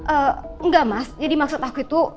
enggak mas jadi maksud aku itu